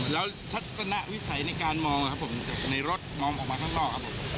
แล้วทัศนวิสัยในการมองครับผมในรถมองออกมาข้างนอกครับผม